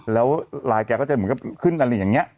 แล้วไลน์แกก็จะเหมือนกับขึ้นอะไรอย่างนี้